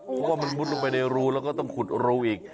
เพราะว่ามันมุดลงไปในรูแล้วก็ต้องขุดรูอีก